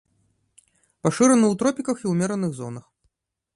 Пашыраны ў тропіках і ўмераных зонах.